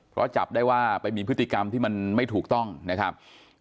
เพราะจับได้ว่าไปมีพฤติกรรมที่มันไม่ถูกต้องนะครับ